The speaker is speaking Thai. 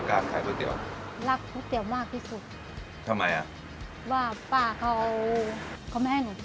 การขายก๋วยเตี๋ยวรักก๋วยเตี๋ยวมากที่สุดทำไมอ่ะว่าป้าเขาเขาไม่ให้หนู